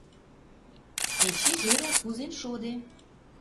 Эче жерӓ кузен шоде.